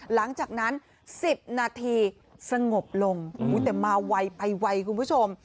หลังจากนั้น๑๐นาทีสงบลงแต่มาไวไปไวคุณผู้ชม